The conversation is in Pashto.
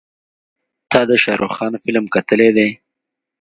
تا د شارخ خان فلم کتلی دی.